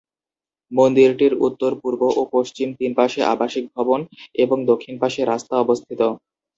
মন্দিরটির উত্তর, পূর্ব ও পশ্চিম তিন পাশে আবাসিক ভবন এবং দক্ষিণ পাশে রাস্তা অবস্থিত।